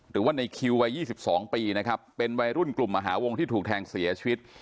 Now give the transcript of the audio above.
หรือว่าในคิววัย๒๒ปีนะครับเป็นวัยรุ่นกลุ่มมหาวงที่ถูกแทงเสียชีวิต